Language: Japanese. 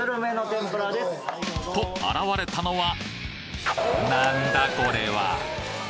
と現れたのは何だこれは！？